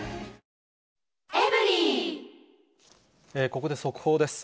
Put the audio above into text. ここで速報です。